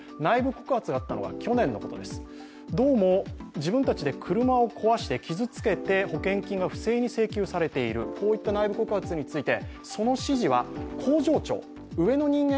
自分たちで車を壊して傷つけて保険金が不正に請求されている、こういった内部告発について。